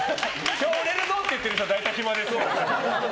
今日売れるぞって言ってる人は大体暇ですから。